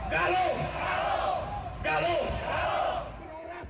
galuh galuh galuh galuh